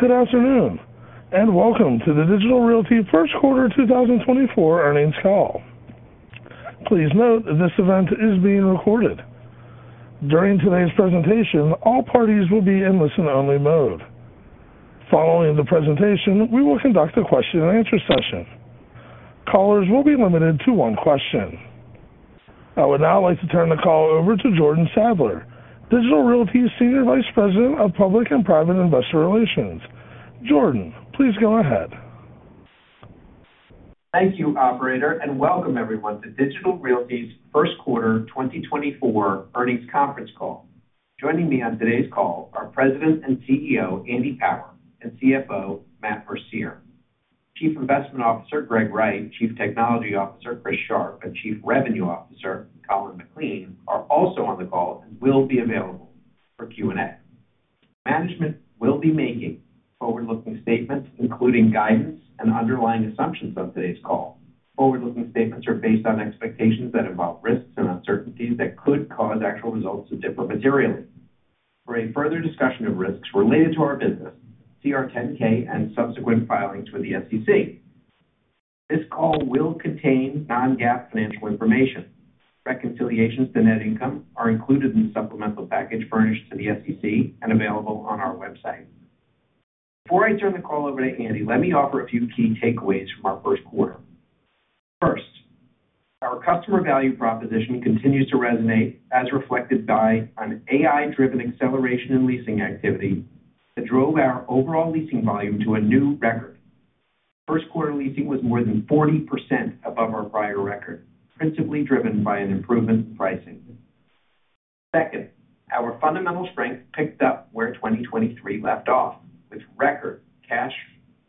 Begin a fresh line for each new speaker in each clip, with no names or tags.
Good afternoon, and welcome to the Digital Realty First Quarter 2024 earnings call. Please note this event is being recorded. During today's presentation, all parties will be in listen-only mode. Following the presentation, we will conduct a question-and-answer session. Callers will be limited to one question. I would now like to turn the call over to Jordan Sadler, Digital Realty's Senior Vice President of Public and Private Investor Relations. Jordan, please go ahead.
Thank you, operator, and welcome everyone to Digital Realty's First Quarter 2024 earnings conference call. Joining me on today's call are President and CEO Andy Power and CFO Matt Mercier. Chief Investment Officer Greg Wright, Chief Technology Officer Chris Sharp, and Chief Revenue Officer Colin McLean are also on the call and will be available for Q&A. Management will be making forward-looking statements including guidance and underlying assumptions on today's call. Forward-looking statements are based on expectations that involve risks and uncertainties that could cause actual results to differ materially. For a further discussion of risks related to our business, see our 10-K and subsequent filings with the SEC. This call will contain non-GAAP financial information. Reconciliations to net income are included in the supplemental package furnished to the SEC and available on our website. Before I turn the call over to Andy, let me offer a few key takeaways from our first quarter. First, our customer value proposition continues to resonate as reflected by an AI-driven acceleration in leasing activity that drove our overall leasing volume to a new record. First quarter leasing was more than 40% above our prior record, principally driven by an improvement in pricing. Second, our fundamental strength picked up where 2023 left off with record cash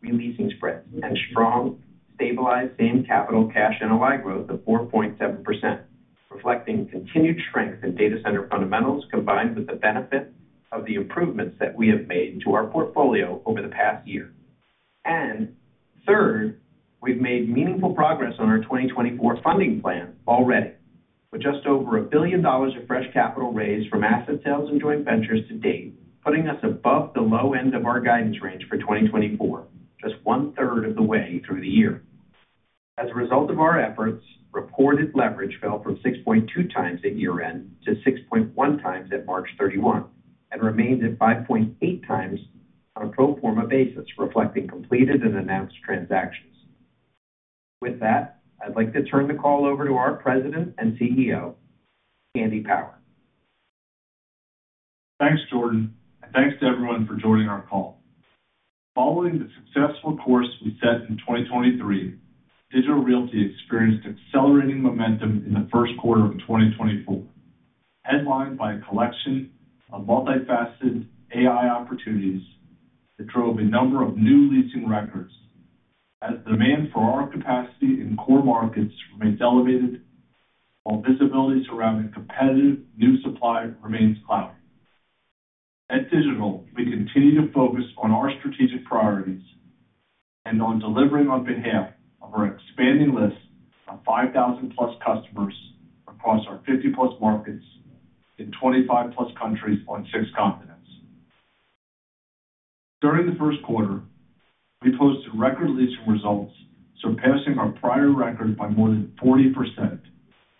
releasing spreads and strong stabilized same-capital cash NOI growth of 4.7%, reflecting continued strength in data center fundamentals combined with the benefit of the improvements that we have made to our portfolio over the past year. And third, we've made meaningful progress on our 2024 funding plan already with just over $1 billion of fresh capital raised from asset sales and joint ventures to date, putting us above the low end of our guidance range for 2024, just one-third of the way through the year. As a result of our efforts, reported leverage fell from 6.2x at year-end to 6.1x at March 31 and remains at 5.8x on a pro forma basis, reflecting completed and announced transactions. With that, I'd like to turn the call over to our President and CEO, Andy Power.
Thanks, Jordan, and thanks to everyone for joining our call. Following the successful course we set in 2023, Digital Realty experienced accelerating momentum in the first quarter of 2024, headlined by a collection of multifaceted AI opportunities that drove a number of new leasing records as the demand for our capacity in core markets remains elevated while visibility surrounding competitive new supply remains cloudy. At Digital, we continue to focus on our strategic priorities and on delivering on behalf of our expanding list of 5,000-plus customers across our 50-plus markets in 25-plus countries on six continents. During the first quarter, we posted record leasing results surpassing our prior record by more than 40%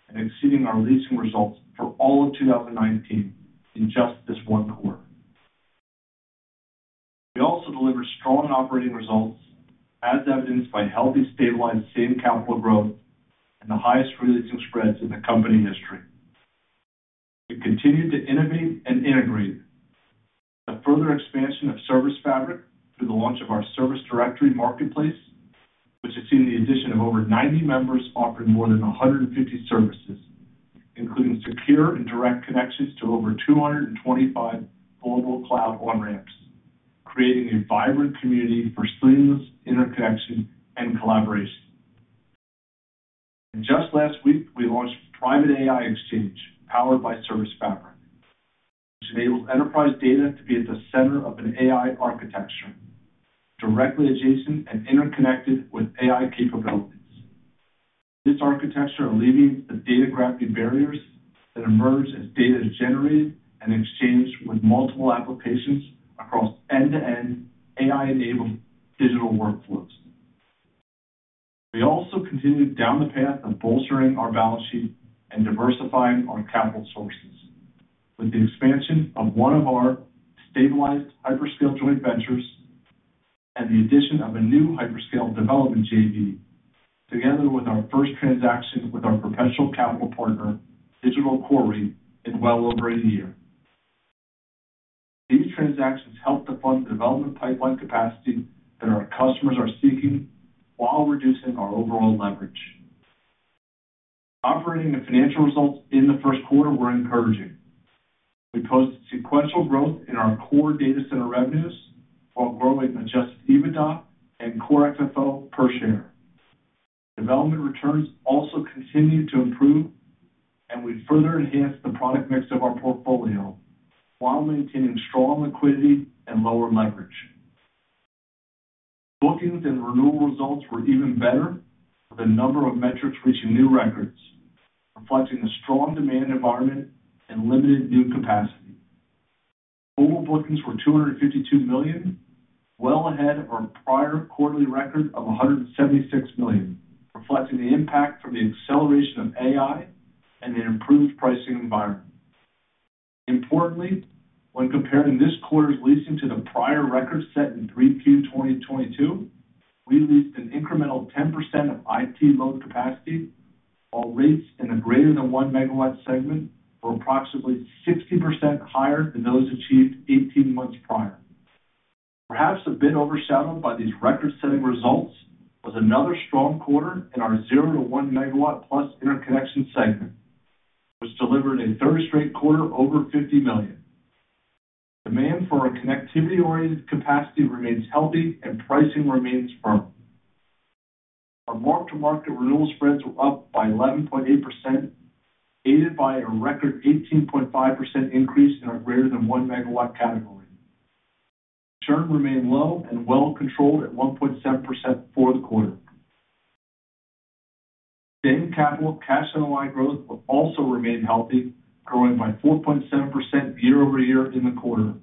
and exceeding our leasing results for all of 2019 in just this one quarter. We also delivered strong operating results as evidenced by healthy stabilized same capital growth and the highest releasing spreads in the company history. We continued to innovate and integrate the further expansion of ServiceFabric through the launch of our Service Directory Marketplace, which has seen the addition of over 90 members offering more than 150 services, including secure and direct connections to over 225 global cloud on-ramps, creating a vibrant community for seamless interconnection and collaboration. Just last week, we launched Private AI Exchange powered by ServiceFabric, which enables enterprise data to be at the center of an AI architecture, directly adjacent and interconnected with AI capabilities. This architecture alleviates the data graphing barriers that emerge as data is generated and exchanged with multiple applications across end-to-end AI-enabled digital workflows. We also continued down the path of bolstering our balance sheet and diversifying our capital sources with the expansion of one of our stabilized hyperscale joint ventures and the addition of a new hyperscale development JV together with our first transaction with our perpetual capital partner, Digital Core REIT, in well over a year. These transactions helped to fund the development pipeline capacity that our customers are seeking while reducing our overall leverage. Operating and financial results in the first quarter were encouraging. We posted sequential growth in our core data center revenues while growing Adjusted EBITDA and Core FFO per share. Development returns also continued to improve, and we further enhanced the product mix of our portfolio while maintaining strong liquidity and lower leverage. Bookings and renewal results were even better with a number of metrics reaching new records, reflecting a strong demand environment and limited new capacity. Total bookings were $252 million, well ahead of our prior quarterly record of $176 million, reflecting the impact from the acceleration of AI and the improved pricing environment. Importantly, when comparing this quarter's leasing to the prior record set in 3Q 2022, we leased an incremental 10% of IT load capacity while rates in the greater than 1 MW segment were approximately 60% higher than those achieved 18 months prior. Perhaps a bit overshadowed by these record-setting results was another strong quarter in our 0 to 1 MW-plus interconnection segment, which delivered a third straight quarter over $50 million. Demand for our connectivity-oriented capacity remains healthy, and pricing remains firm. Our mark-to-market renewal spreads were up by 11.8%, aided by a record 18.5% increase in our greater than 1 MW category. Churn remained low and well-controlled at 1.7% for the quarter. Same-capital cash NOI growth also remained healthy, growing by 4.7% year-over-year in the quarter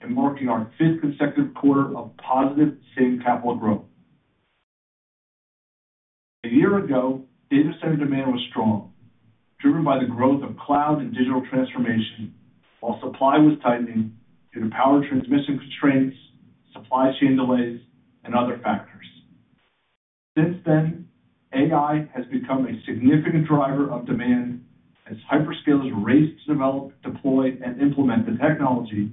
and marking our fifth consecutive quarter of positive same-capital growth. A year ago, data center demand was strong, driven by the growth of cloud and digital transformation while supply was tightening due to power transmission constraints, supply chain delays, and other factors. Since then, AI has become a significant driver of demand as hyperscalers race to develop, deploy, and implement the technology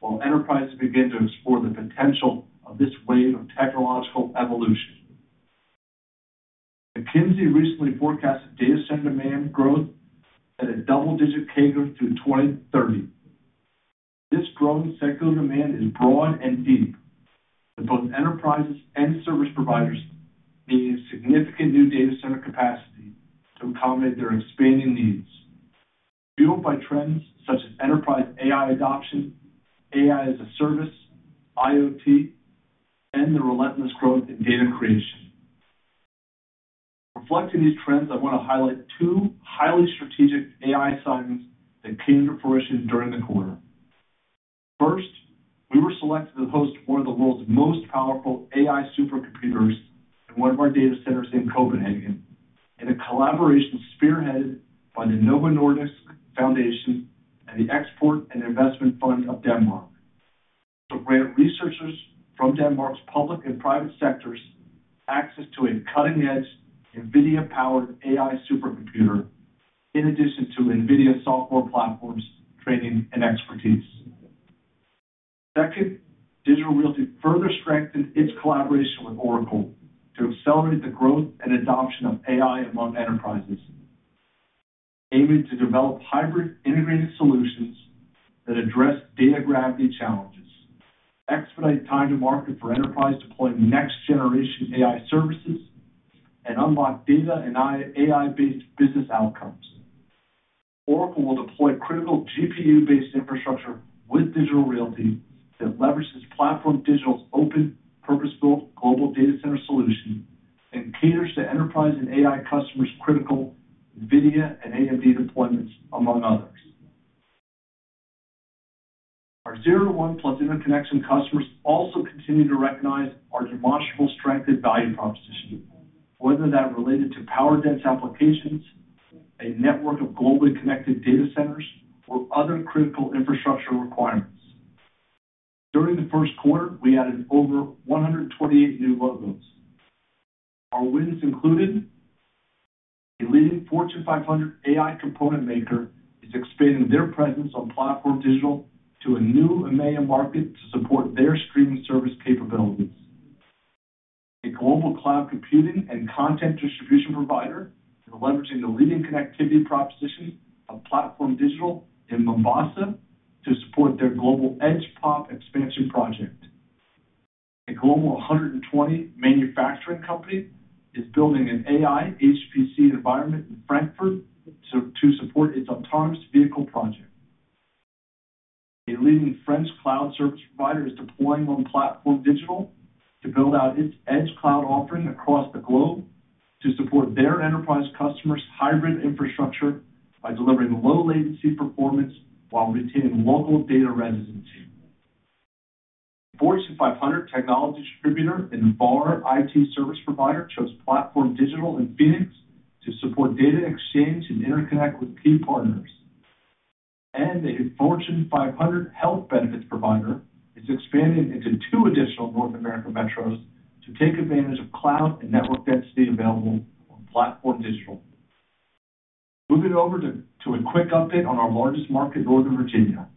while enterprises begin to explore the potential of this wave of technological evolution. McKinsey recently forecasted data center demand growth at a double-digit CAGR through 2030. This growing secular demand is broad and deep, with both enterprises and service providers needing significant new data center capacity to accommodate their expanding needs, fueled by trends such as enterprise AI adoption, AI as a service, IoT, and the relentless growth in data creation. Reflecting these trends, I want to highlight two highly strategic AI signs that came to fruition during the quarter. First, we were selected to host one of the world's most powerful AI supercomputers in one of our data centers in Copenhagen in a collaboration spearheaded by the Novo Nordisk Foundation and the Export and Investment Fund of Denmark to grant researchers from Denmark's public and private sectors access to a cutting-edge NVIDIA-powered AI supercomputer in addition to NVIDIA software platforms' training and expertise. Second, Digital Realty further strengthened its collaboration with Oracle to accelerate the growth and adoption of AI among enterprises, aiming to develop hybrid integrated solutions that address data gravity challenges, expedite time-to-market for enterprise deploying next-generation AI services, and unlock data and AI-based business outcomes. Oracle will deploy critical GPU-based infrastructure with Digital Realty that leverages PlatformDIGITAL's open-purpose-built global data center solution and caters to enterprise and AI customers' critical NVIDIA and AMD deployments, among others. Our 0 to 1-plus interconnection customers also continue to recognize our demonstrable strength in value proposition, whether that related to power-dense applications, a network of globally connected data centers, or other critical infrastructure requirements. During the first quarter, we added over 128 new logos. Our wins included a leading Fortune 500 AI component maker expanding their presence on PlatformDIGITAL to a new EMEA market to support their streaming service capabilities, a global cloud computing and content distribution provider leveraging the leading connectivity proposition of PlatformDIGITAL in Mombasa to support their global Edge PoP expansion project, a global 120 manufacturing company building an AI HPC environment in Frankfurt to support its autonomous vehicle project, a leading French cloud service provider deploying on PlatformDIGITAL to build out its EdgeCloud offering across the globe to support their enterprise customers' hybrid infrastructure by delivering low-latency performance while retaining local data residency, a Fortune 500 technology distributor and VAR IT service provider chose PlatformDIGITAL in Phoenix to support data exchange and interconnect with key partners, and a Fortune 500 health benefits provider expanding into two additional North American metros to take advantage of cloud and network density available on PlatformDIGITAL. Moving over to a quick update on our largest market, Northern Virginia.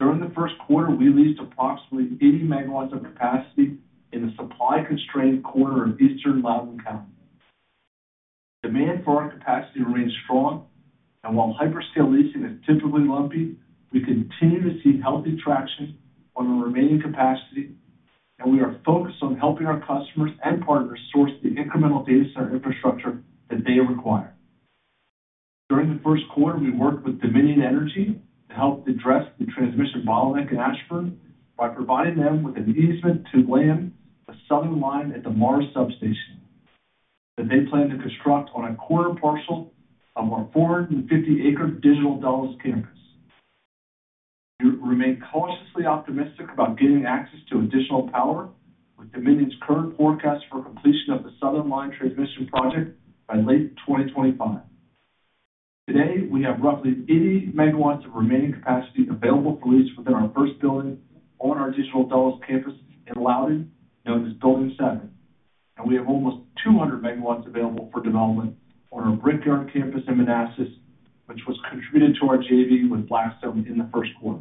During the first quarter, we leased approximately 80 MW of capacity in the supply-constrained quarter of Eastern Loudoun County. Demand for our capacity remains strong, and while hyperscale leasing is typically lumpy, we continue to see healthy traction on our remaining capacity, and we are focused on helping our customers and partners source the incremental data center infrastructure that they require. During the first quarter, we worked with Dominion Energy to help address the transmission bottleneck in Ashburn by providing them with an easement to land the southern line at the Mars substation that they plan to construct on a quarter parcel of our 450-acre Digital Dulles campus. We remain cautiously optimistic about getting access to additional power with Dominion's current forecast for completion of the southern line transmission project by late 2025. Today, we have roughly 80 MW of remaining capacity available for lease within our first building on our Digital Dallas campus in Loudoun, known as Building 7, and we have almost 200 MW available for development on our Brickyard campus in Manassas, which was contributed to our JV with Blackstone in the first quarter.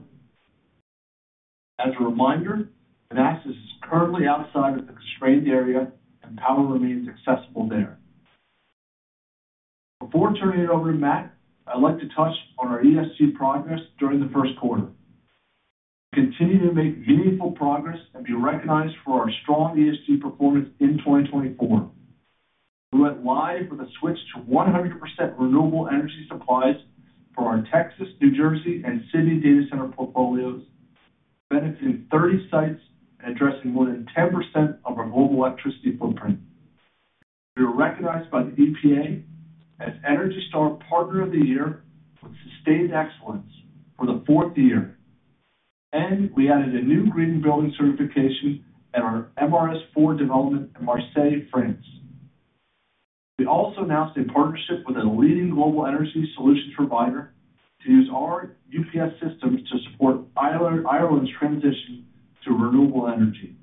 As a reminder, Manassas is currently outside of the constrained area, and power remains accessible there. Before turning it over to Matt, I'd like to touch on our ESG progress during the first quarter. We continue to make meaningful progress and be recognized for our strong ESG performance in 2024. We went live with a switch to 100% renewable energy supplies for our Texas, New Jersey, and Sydney data center portfolios, benefiting 30 sites and addressing more than 10% of our global electricity footprint. We were recognized by the EPA as Energy Star Partner of the Year with sustained excellence for the fourth year, and we added a new green building certification at our MRS4 development in Marseille, France. We also announced a partnership with a leading global energy solutions provider to use our UPS systems to support Ireland's transition to renewable energy,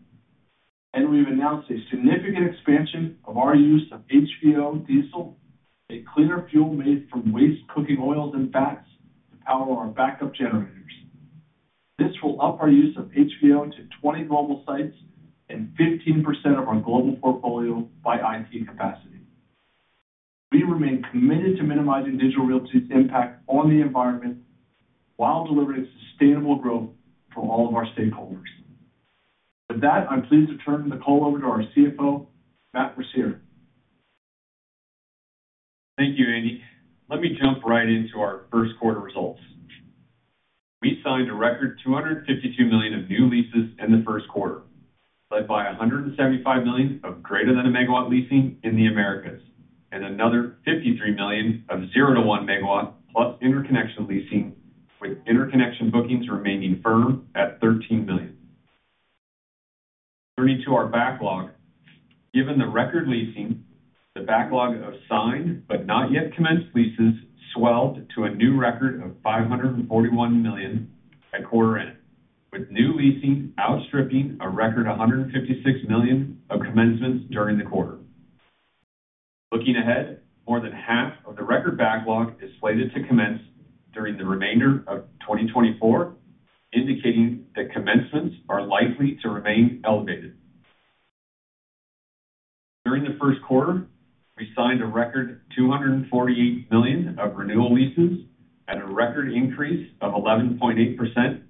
and we've announced a significant expansion of our use of HVO diesel, a cleaner fuel made from waste cooking oils and fats, to power our backup generators. This will up our use of HVO to 20 global sites and 15% of our global portfolio by IT capacity. We remain committed to minimizing Digital Realty's impact on the environment while delivering sustainable growth for all of our stakeholders. With that, I'm pleased to turn the call over to our CFO, Matt Mercier. Thank you, Andy.
Let me jump right into our first quarter results. We signed a record $252 million of new leases in the first quarter, led by $175 million of greater-than-1-megawatt leasing in the Americas, and another $53 million of 0-1 megawatt-plus interconnection leasing, with interconnection bookings remaining firm at $13 million. Turning to our backlog, given the record leasing, the backlog of signed but not yet commenced leases swelled to a new record of $541 million at quarter end, with new leasing outstripping a record $156 million of commencements during the quarter. Looking ahead, more than half of the record backlog is slated to commence during the remainder of 2024, indicating that commencements are likely to remain elevated. During the first quarter, we signed a record $248 million of renewal leases and a record increase of 11.8%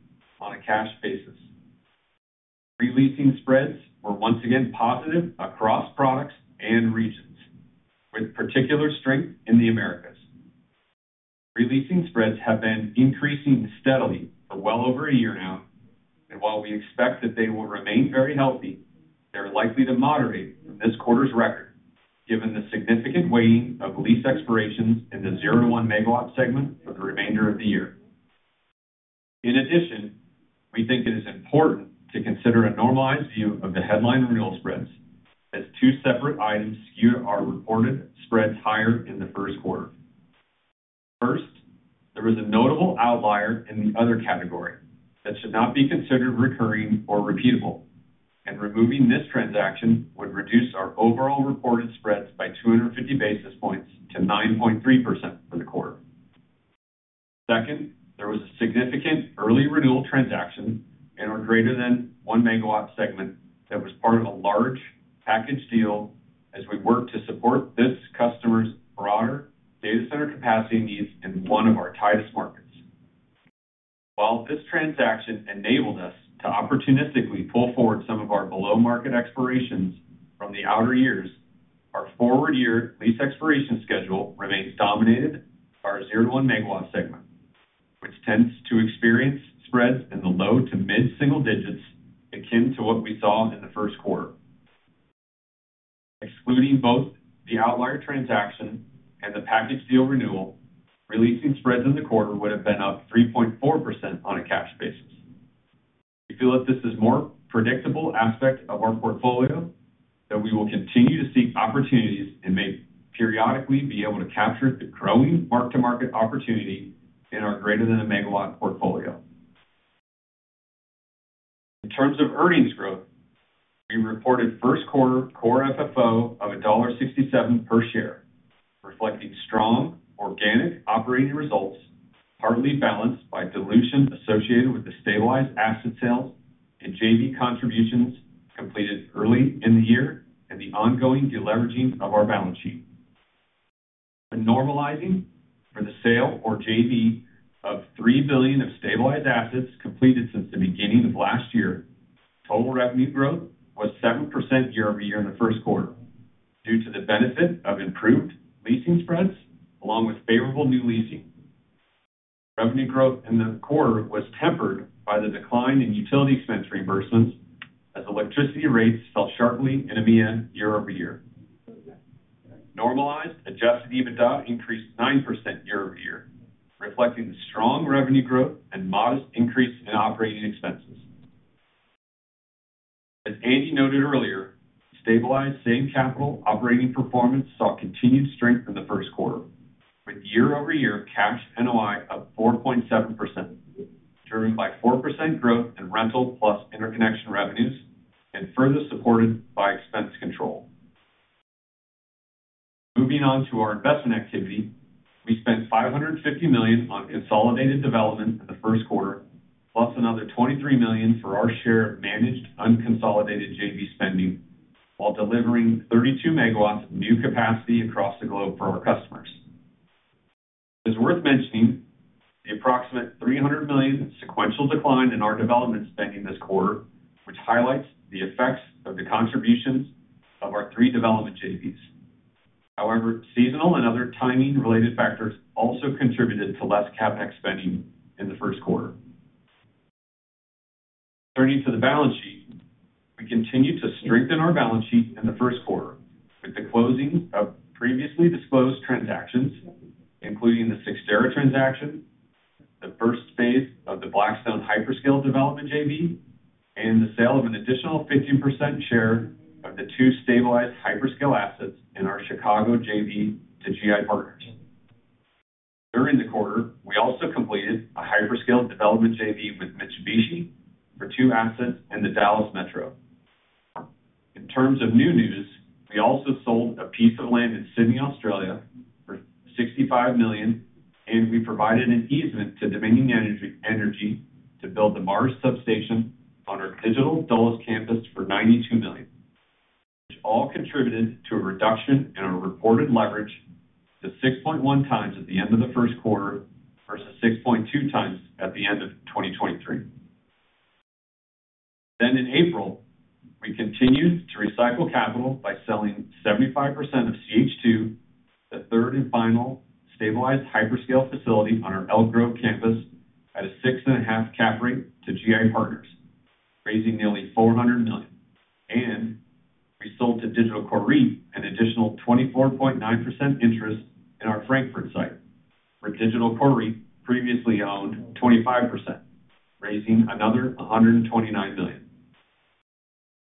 on a cash basis. Releasing Spreads were once again positive across products and regions, with particular strength in the Americas. Releasing Spreads have been increasing steadily for well over a year now, and while we expect that they will remain very healthy, they're likely to moderate from this quarter's record given the significant weighting of lease expirations in the 0-1 megawatt segment for the remainder of the year. In addition, we think it is important to consider a normalized view of the headline renewal spreads as two separate items skew our reported spreads higher in the first quarter. First, there was a notable outlier in the other category that should not be considered recurring or repeatable, and removing this transaction would reduce our overall reported spreads by 250 basis points to 9.3% for the quarter. Second, there was a significant early renewal transaction in our greater-than-1 MW segment that was part of a large package deal as we worked to support this customer's broader data center capacity needs in one of our tightest markets. While this transaction enabled us to opportunistically pull forward some of our below-market expirations from the outer years, our forward-year lease expiration schedule remains dominated by our 0-1 MW segment, which tends to experience spreads in the low to mid-single digits akin to what we saw in the first quarter. Excluding both the outlier transaction and the package deal renewal, releasing spreads in the quarter would have been up 3.4% on a cash basis. We feel that this is a more predictable aspect of our portfolio that we will continue to seek opportunities and periodically be able to capture the growing mark-to-market opportunity in our greater-than-1-MW portfolio. In terms of earnings growth, we reported first quarter core FFO of $1.67 per share, reflecting strong organic operating results partly balanced by dilution associated with the stabilized asset sales and JV contributions completed early in the year and the ongoing deleveraging of our balance sheet. When normalizing for the sale or JV of $3 billion of stabilized assets completed since the beginning of last year, total revenue growth was 7% year-over-year in the first quarter due to the benefit of improved leasing spreads along with favorable new leasing. Revenue growth in the quarter was tempered by the decline in utility expense reimbursements as electricity rates fell sharply in AMEA year-over-year. Normalized adjusted EBITDA increased 9% year-over-year, reflecting the strong revenue growth and modest increase in operating expenses. As Andy noted earlier, stabilized same-capital operating performance saw continued strength in the first quarter, with year-over-year cash NOI up 4.7%, driven by 4% growth in rental-plus interconnection revenues and further supported by expense control. Moving on to our investment activity, we spent $550 million on consolidated development in the first quarter, plus another $23 million for our share of managed unconsolidated JV spending while delivering 32 MW of new capacity across the globe for our customers. It's worth mentioning the approximate $300 million sequential decline in our development spending this quarter, which highlights the effects of the contributions of our three development JVs. However, seasonal and other timing-related factors also contributed to less CapEx spending in the first quarter. Turning to the balance sheet, we continue to strengthen our balance sheet in the first quarter with the closing of previously disclosed transactions, including the Cyxtera transaction, the first phase of the Blackstone hyperscale development JV, and the sale of an additional 15% share of the two stabilized hyperscale assets in our Chicago JV to GI Partners. During the quarter, we also completed a hyperscale development JV with Mitsubishi for two assets in the Dallas Metro. In terms of new news, we also sold a piece of land in Sydney, Australia, for $65 million, and we provided an easement to Dominion Energy to build the Mars substation on our Digital Dallas campus for $92 million, which all contributed to a reduction in our reported leverage to 6.1 times at the end of the first quarter versus 6.2 times at the end of 2023. Then in April, we continued to recycle capital by selling 75% of CH2, the third and final stabilized hyperscale facility on our Elk Grove campus at a 6.5 cap rate to GI Partners, raising nearly $400 million. We sold to Digital Core REIT an additional 24.9% interest in our Frankfurt site for Digital Core REIT previously owned 25%, raising another $129 million.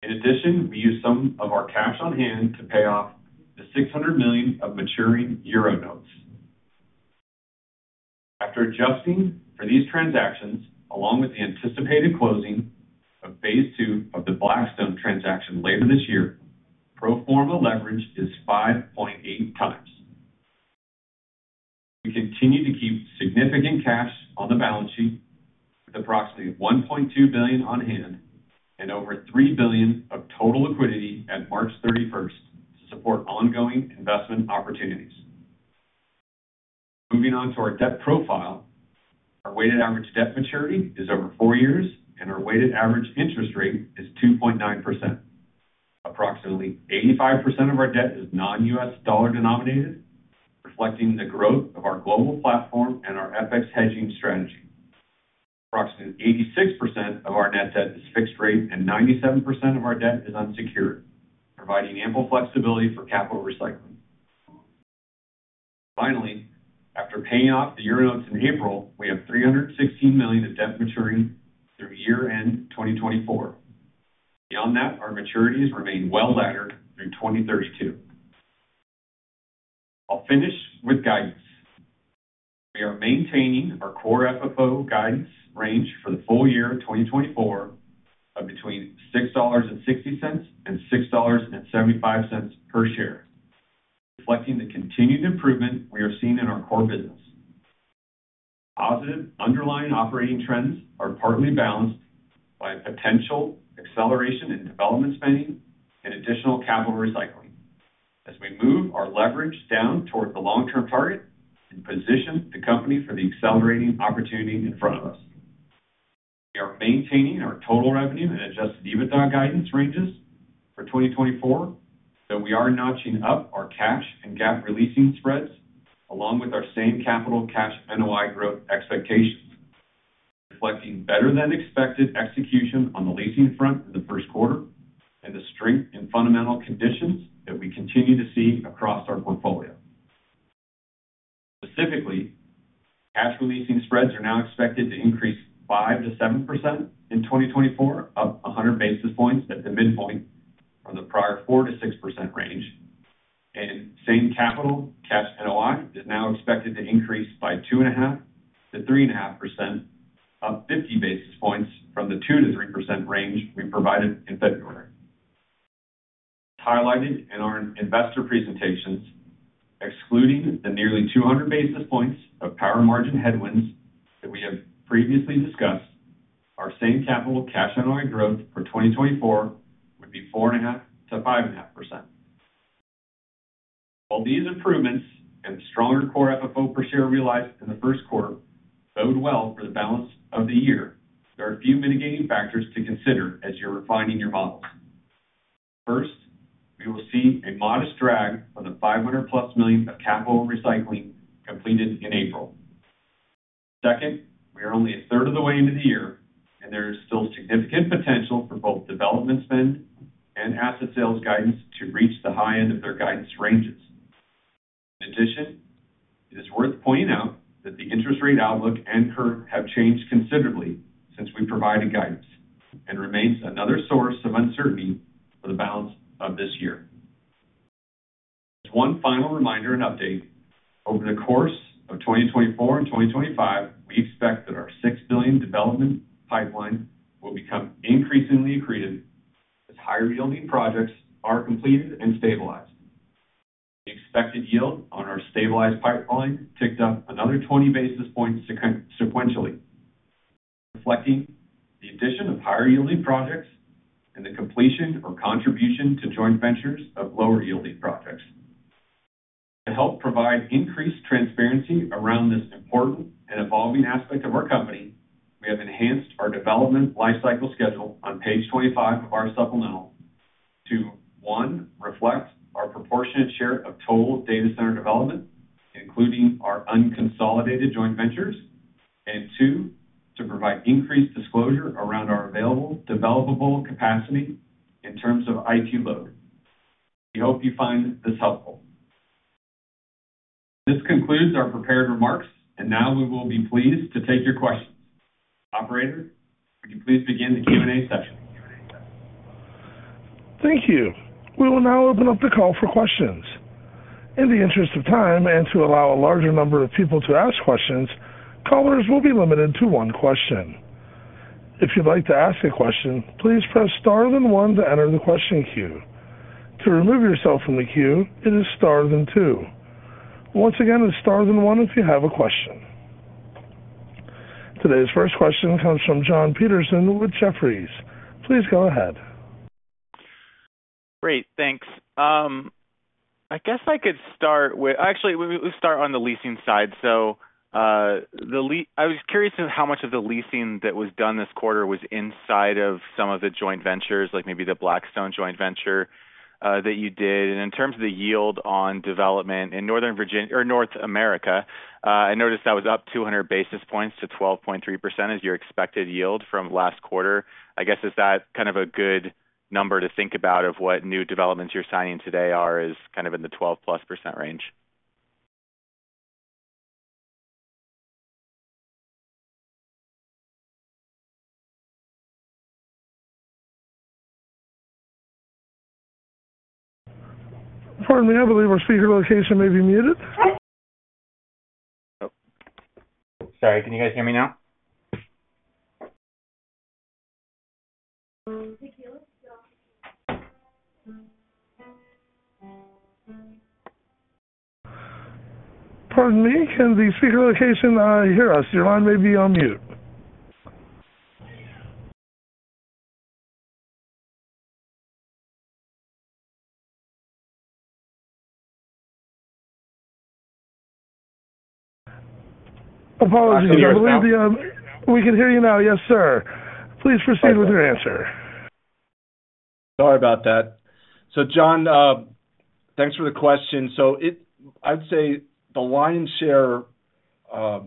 In addition, we used some of our cash on hand to pay off the 600 million of maturing euro notes. After adjusting for these transactions along with the anticipated closing of phase two of the Blackstone transaction later this year, pro forma leverage is 5.8x. We continue to keep significant cash on the balance sheet with approximately $1.2 billion on hand and over $3 billion of total liquidity at March 31st to support ongoing investment opportunities. Moving on to our debt profile, our weighted average debt maturity is over 4 years, and our weighted average interest rate is 2.9%. Approximately 85% of our debt is non-U.S. dollar denominated, reflecting the growth of our global platform and our FX hedging strategy. Approximately 86% of our net debt is fixed rate, and 97% of our debt is unsecured, providing ample flexibility for capital recycling. Finally, after paying off the euro notes in April, we have $316 million of debt maturing through year-end 2024. Beyond that, our maturities remain well laddered through 2032. I'll finish with guidance. We are maintaining our core FFO guidance range for the full year of 2024 of between $6.60 and $6.75 per share, reflecting the continued improvement we are seeing in our core business. Positive underlying operating trends are partly balanced by potential acceleration in development spending and additional capital recycling as we move our leverage down toward the long-term target and position the company for the accelerating opportunity in front of us. We are maintaining our total revenue and Adjusted EBITDA guidance ranges for 2024, so we are notching up our cash and GAAP Releasing Spreads along with our Same-Capital Cash NOI growth expectations, reflecting better-than-expected execution on the leasing front in the first quarter and the strength in fundamental conditions that we continue to see across our portfolio. Specifically, cash Releasing Spreads are now expected to increase 5%-7% in 2024, up 100 basis points at the midpoint from the prior 4%-6% range. Same-Capital Cash NOI is now expected to increase by 2.5%-3.5%, up 50 basis points from the 2%-3% range we provided in February. As highlighted in our investor presentations, excluding the nearly 200 basis points of power margin headwinds that we have previously discussed, our Same-Capital Cash NOI growth for 2024 would be 4.5%-5.5%. While these improvements and the stronger Core FFO per share realized in the first quarter bode well for the balance of the year, there are a few mitigating factors to consider as you're refining your models. First, we will see a modest drag from the $500+ million of capital recycling completed in April. Second, we are only a third of the way into the year, and there is still significant potential for both development spend and asset sales guidance to reach the high end of their guidance ranges. In addition, it is worth pointing out that the interest rate outlook and curve have changed considerably since we provided guidance and remains another source of uncertainty for the balance of this year. As one final reminder and update, over the course of 2024 and 2025, we expect that our $6 billion development pipeline will become increasingly accretive as higher-yielding projects are completed and stabilized. The expected yield on our stabilized pipeline ticked up another 20 basis points sequentially, reflecting the addition of higher-yielding projects and the completion or contribution to joint ventures of lower-yielding projects. To help provide increased transparency around this important and evolving aspect of our company, we have enhanced our development lifecycle schedule on page 25 of our supplemental to, one, reflect our proportionate share of total data center development, including our unconsolidated joint ventures, and, two, to provide increased disclosure around our available developable capacity in terms of IT load. We hope you find this helpful. This concludes our prepared remarks, and now we will be pleased to take your questions. Operator, would you please begin the Q&A session?
Thank you. We will now open up the call for questions. In the interest of time and to allow a larger number of people to ask questions, callers will be limited to one question. If you'd like to ask a question, please press star, then one to enter the question queue. To remove yourself from the queue, it is star, then two. Once again, it's star, then one if you have a question. Today's first question comes from John Petersen with Jefferies. Please go ahead.
Great. Thanks. I guess I could start with actually, we'll start on the leasing side. So I was curious how much of the leasing that was done this quarter was inside of some of the joint ventures, like maybe the Blackstone joint venture that you did. And in terms of the yield on development in Northern Virginia or North America, I noticed that was up 200 basis points to 12.3% as your expected yield from last quarter. I guess is that kind of a good number to think about of what new developments you're signing today are is kind of in the 12%+ range?
Pardon me. I believe our speaker location may be muted.
Oh. Sorry. Can you guys hear me now?
Pardon me. Can the speaker location hear us? Your line may be on mute. Apologies. I believe we can hear you now. Yes, sir. Please proceed with your answer.
Sorry about that. So John, thanks for the question. So I'd say the lion's share, high,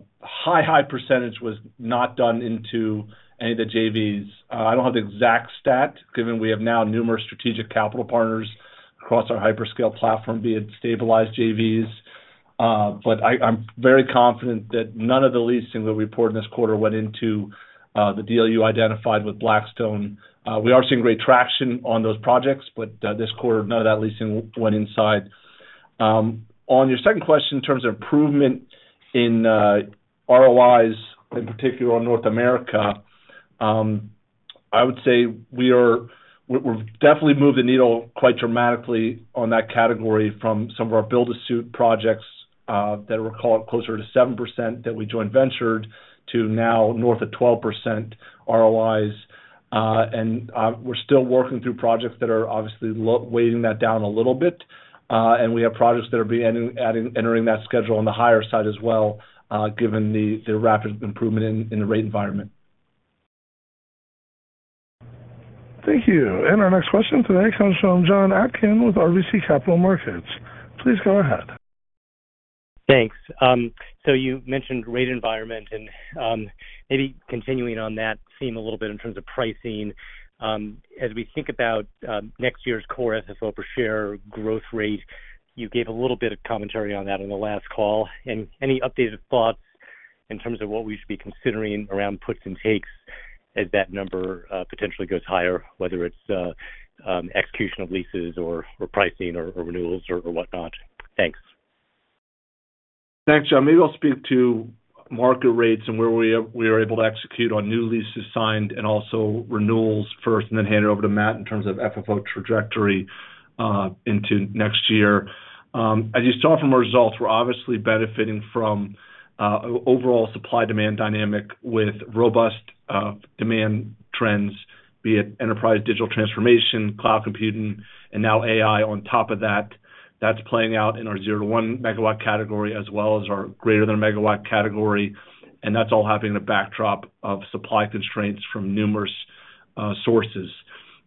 high percentage was not done into any of the JVs. I don't have the exact stat given we have now numerous strategic capital partners across our hyperscale platform, be it stabilized JVs. But I'm very confident that none of the leasing that we reported this quarter went into the deal you identified with Blackstone. We are seeing great traction on those projects, but this quarter, none of that leasing went inside. On your second question, in terms of improvement in ROIs, in particular on North America, I would say we've definitely moved the needle quite dramatically on that category from some of our build-to-suit projects that were closer to 7% that we joint ventured to now north of 12% ROIs. We're still working through projects that are obviously weighing that down a little bit. We have projects that are entering that schedule on the higher side as well given the rapid improvement in the rate environment.
Thank you. Our next question today comes from Jon Atkin with RBC Capital Markets. Please go ahead.
Thanks. So you mentioned rate environment. And maybe continuing on that theme a little bit in terms of pricing, as we think about next year's Core FFO per share growth rate, you gave a little bit of commentary on that on the last call. And any updated thoughts in terms of what we should be considering around puts and takes as that number potentially goes higher, whether it's execution of leases or pricing or renewals or whatnot? Thanks.
Thanks, John. Maybe I'll speak to market rates and where we are able to execute on new leases signed and also renewals first and then hand it over to Matt in terms of FFO trajectory into next year. As you saw from our results, we're obviously benefiting from overall supply-demand dynamic with robust demand trends, be it enterprise digital transformation, cloud computing, and now AI on top of that. That's playing out in our 0-1 megawatt category as well as our greater-than-1-megawatt category. And that's all happening in the backdrop of supply constraints from numerous sources.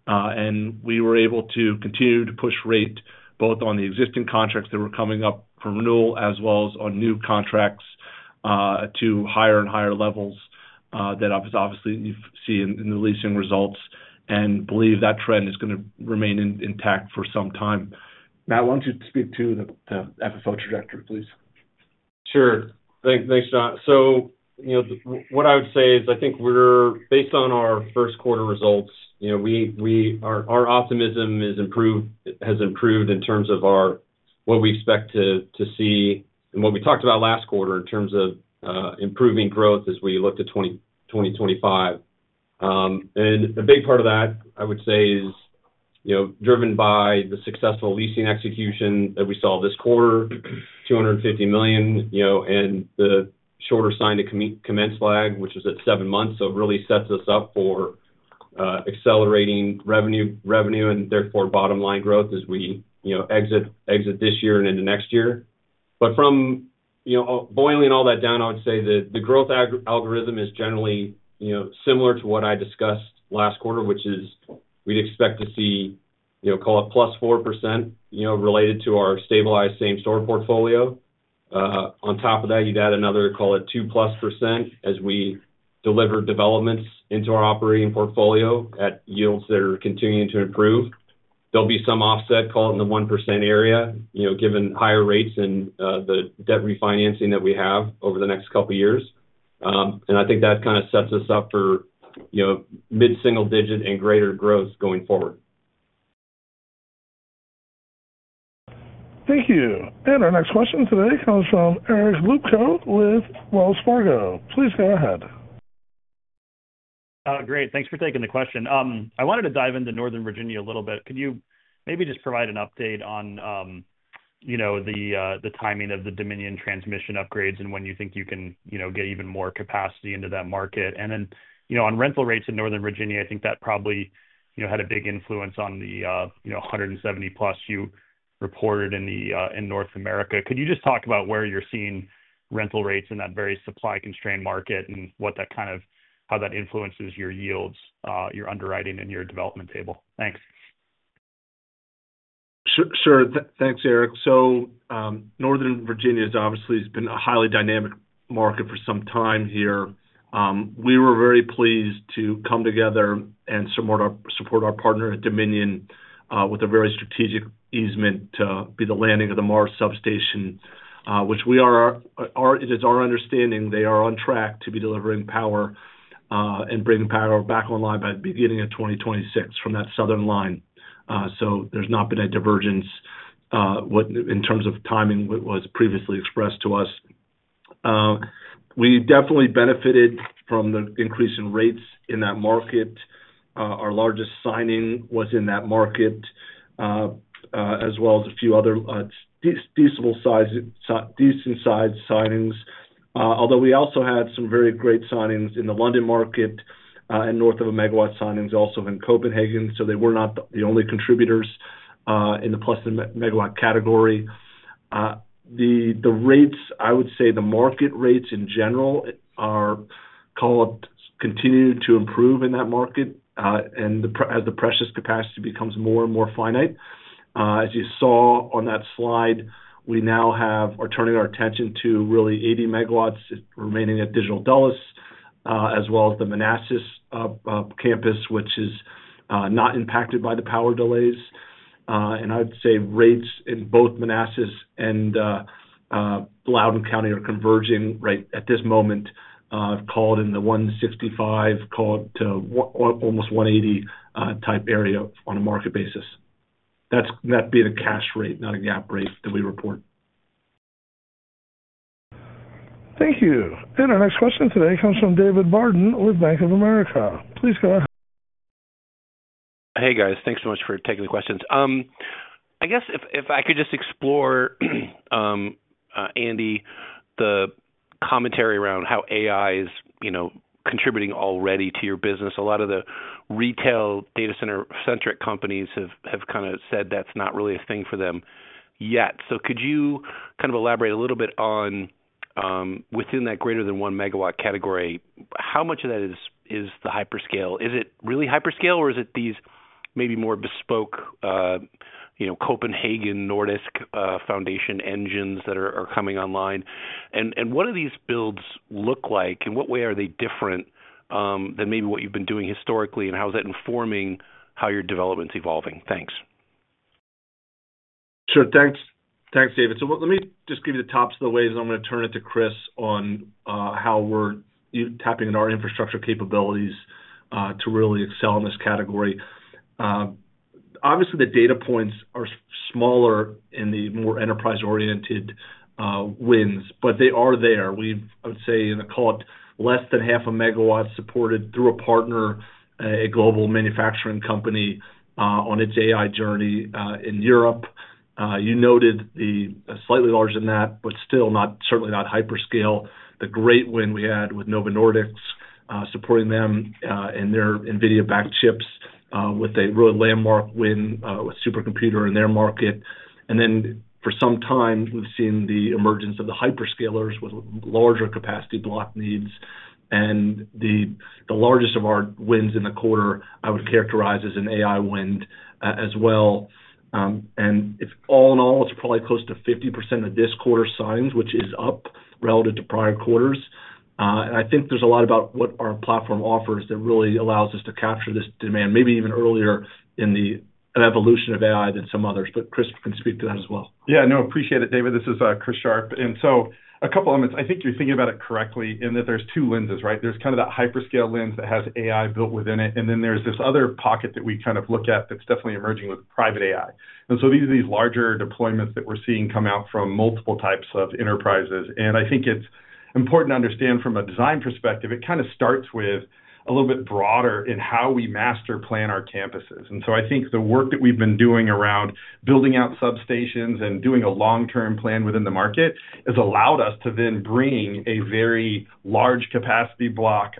And we were able to continue to push rate both on the existing contracts that were coming up for renewal as well as on new contracts to higher and higher levels that obviously you see in the leasing results and believe that trend is going to remain intact for some time. Matt, why don't you speak to the FFO trajectory, please?
Sure. Thanks, John. So what I would say is I think based on our first quarter results, our optimism has improved in terms of what we expect to see and what we talked about last quarter in terms of improving growth as we looked at 2025. And a big part of that, I would say, is driven by the successful leasing execution that we saw this quarter, $250 million, and the shorter sign-to-commence lag, which was at 7 months. So it really sets us up for accelerating revenue and, therefore, bottom-line growth as we exit this year and into next year. But from boiling all that down, I would say the growth algorithm is generally similar to what I discussed last quarter, which is we'd expect to see, call it, +4% related to our stabilized same-store portfolio. On top of that, you'd add another, call it, 2+% as we deliver developments into our operating portfolio at yields that are continuing to improve. There'll be some offset, call it, in the 1% area given higher rates and the debt refinancing that we have over the next couple of years. And I think that kind of sets us up for mid-single-digit and greater growth going forward.
Thank you. Our next question today comes from Eric Luebchow with Wells Fargo. Please go ahead.
Great. Thanks for taking the question. I wanted to dive into Northern Virginia a little bit. Could you maybe just provide an update on the timing of the Dominion transmission upgrades and when you think you can get even more capacity into that market? And then on rental rates in Northern Virginia, I think that probably had a big influence on the 170+ you reported in North America. Could you just talk about where you're seeing rental rates in that very supply-constrained market and how that influences your yields, your underwriting, and your development table? Thanks.
Sure. Thanks, Eric. So Northern Virginia has obviously been a highly dynamic market for some time here. We were very pleased to come together and support our partner at Dominion with a very strategic easement to be the landing of the Mars substation, which it is our understanding they are on track to be delivering power and bringing power back online by the beginning of 2026 from that southern line. So there's not been a divergence in terms of timing what was previously expressed to us. We definitely benefited from the increase in rates in that market. Our largest signing was in that market as well as a few other decent-sized signings, although we also had some very great signings in the London market and north of 1 MW signings also in Copenhagen. So they were not the only contributors in the 1 MW+ category. I would say the market rates in general are, call it, continuing to improve in that market as the precious capacity becomes more and more finite. As you saw on that slide, we now are turning our attention to really 80 MW remaining at Digital Dulles as well as the Manassas campus, which is not impacted by the power delays. I would say rates in both Manassas and Loudoun County are converging right at this moment, call it in the $165, call it to almost $180 type area on a market basis. That being a cash rate, not a GAAP rate that we report.
Thank you. Our next question today comes from David Barden with Bank of America. Please go ahead.
Hey, guys. Thanks so much for taking the questions. I guess if I could just explore, Andy, the commentary around how AI is contributing already to your business. A lot of the retail data center-centric companies have kind of said that's not really a thing for them yet. So could you kind of elaborate a little bit on within that greater-than 1-MW category, how much of that is the hyperscale? Is it really hyperscale, or is it these maybe more bespoke Copenhagen Novo Nordisk Foundation engines that are coming online? And what do these builds look like, and what way are they different than maybe what you've been doing historically, and how is that informing how your development's evolving? Thanks.
Sure. Thanks, David. So let me just give you the tops of the waves. And I'm going to turn it to Chris on how we're tapping into our infrastructure capabilities to really excel in this category. Obviously, the data points are smaller in the more enterprise-oriented wins, but they are there. I would say, call it, less than 0.5 MW supported through a partner, a global manufacturing company on its AI journey in Europe. You noted the slightly larger than that but still certainly not hyperscale, the great win we had with Novo Nordisk supporting them and their NVIDIA-backed chips with a really landmark win with supercomputer in their market. And then for some time, we've seen the emergence of the hyperscalers with larger capacity block needs. And the largest of our wins in the quarter, I would characterize as an AI win as well. All in all, it's probably close to 50% of this quarter's signings, which is up relative to prior quarters. And I think there's a lot about what our platform offers that really allows us to capture this demand, maybe even earlier in the evolution of AI than some others. But Chris can speak to that as well.
Yeah. No, appreciate it, David. This is Chris Sharp. And so a couple of elements. I think you're thinking about it correctly in that there's two lenses, right? There's kind of that hyperscale lens that has AI built within it. And then there's this other pocket that we kind of look at that's definitely emerging with private AI. And so these are these larger deployments that we're seeing come out from multiple types of enterprises. And I think it's important to understand from a design perspective. It kind of starts with a little bit broader in how we master plan our campuses. And so I think the work that we've been doing around building out substations and doing a long-term plan within the market has allowed us to then bring a very large capacity block